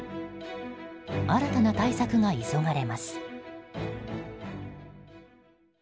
新たな対策が急がれます。